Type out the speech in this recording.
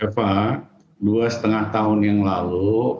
eva dua lima tahun yang lalu